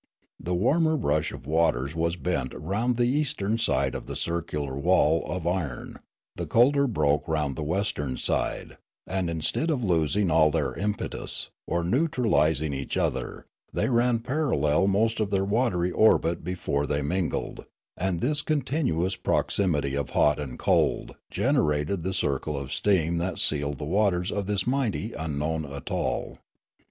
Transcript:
The warmer rush of waters was bent round the eastern side of the circular waJl of iron, the colder broke round the western side ; and in stead of losing all their impetus, or neutralising each other, they ran parallel most of their watery orbit be fore they mingled ; and this continuous proximity of hot and cold generated the circle of steam that sealed the waters of this mighty unknown atoll.